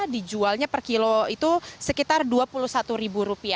dijualnya per kilo itu sekitar rp dua puluh satu